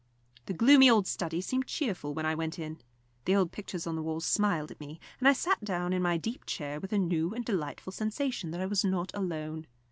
The gloomy old study seemed cheerful when I went in. The old pictures on the walls smiled at me, and I sat down in my deep chair with a new and delightful sensation that I was not alone.